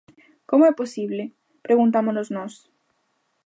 ¿Como é posible?, preguntámonos nós.